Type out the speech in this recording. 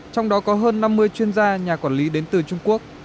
trong đó có hơn năm mươi chuyên gia nhà quản lý đến từ trung quốc